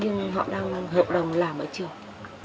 nhưng họ đang hợp đồng làm ở trường